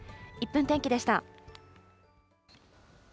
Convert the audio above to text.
１分天気でした。